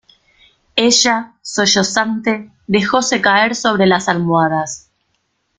ella, sollozante , dejóse caer sobre las almohadas: